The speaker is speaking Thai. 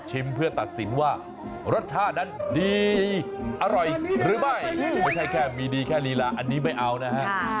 เพื่อตัดสินว่ารสชาตินั้นดีอร่อยหรือไม่ไม่ใช่แค่มีดีแค่ลีลาอันนี้ไม่เอานะฮะ